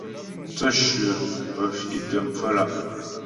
Mtsə̂shyə pə́ fì'tə pfə́lǎ'.